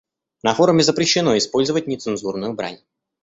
На форуме запрещено использовать нецензурную брань.